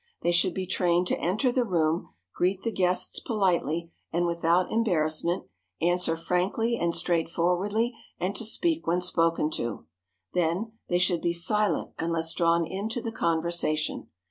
They should be trained to enter the room, greet the guests politely and without embarrassment, answer frankly and straightforwardly, and to speak when spoken to. Then, they should be silent unless drawn into the conversation.